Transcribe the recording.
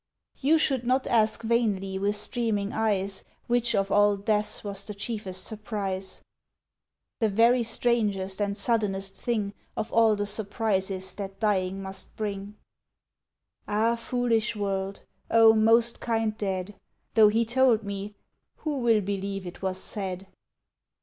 "You should not ask vainly, with streaming eyes, Which of all death's was the chiefest surprise, "The very strangest and suddenest thing Of all the surprises that dying must bring." Ah, foolish world! O, most kind dead! Though he told me, who will believe it was said?